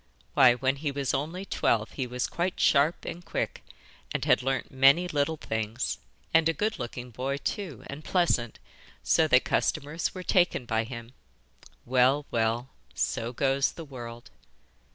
Why, when he was only twelve he was quite sharp and quick, and had learnt many little things, and a good looking boy too, and pleasant, so that customers were taken by him. Well, well! so goes the world!